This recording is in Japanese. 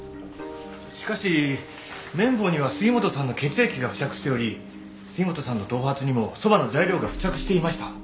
しかし麺棒には杉本さんの血液が付着しており杉本さんの頭髪にもそばの材料が付着していました。